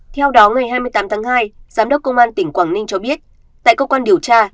theo đó ngày hai mươi tám tháng hai giám đốc công an tỉnh quảng ninh cho biết tại cơ quan điều tra